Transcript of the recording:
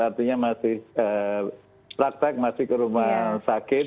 artinya masih praktek masih ke rumah sakit